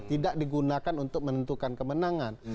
tidak digunakan untuk menentukan kemenangan